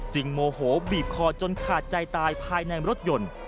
โมโหบีบคอจนขาดใจตายภายในรถยนต์